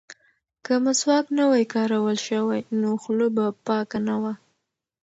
که مسواک نه وای کارول شوی نو خوله به پاکه نه وه.